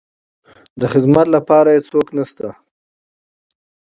د خدمت لپاره يې څوک نشته.